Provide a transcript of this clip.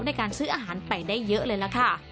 ในการซื้ออาหารไปได้เยอะเลยล่ะค่ะ